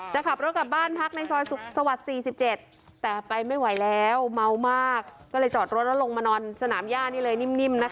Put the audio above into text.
จะขับรถกลับบ้านพักในซอยสุขสวรรค์๔๗แต่ไปไม่ไหวแล้วเมามากก็เลยจอดรถแล้วลงมานอนสนามย่านี่เลยนิ่มนะคะ